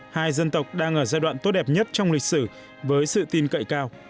hai dân tộc đang ở giai đoạn tốt đẹp nhất trong lịch sử với sự tin cậy cao